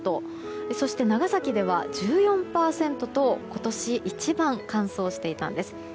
そして長崎では１４％と今年一番乾燥していたんです。